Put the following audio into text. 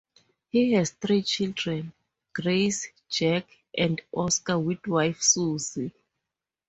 He has three children; Grace, Jack and Oscar with wife Suzie.